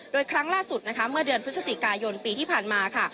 โดยครั้งล่าสุดนะคะเมื่อเดือนพฤศจิกายนปีที่ผ่านมาค่ะ